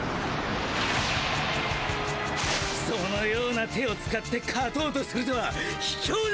そのような手を使って勝とうとするとはひきょうな！